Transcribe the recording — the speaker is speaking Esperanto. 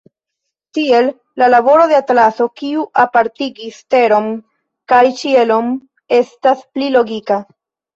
Tiel, la laboro de Atlaso, kiu apartigis Teron kaj Ĉielon, estas pli logika.